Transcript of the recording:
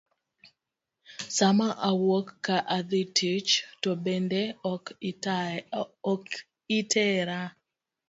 Sama awuok ka adhi tich to bende ok itera.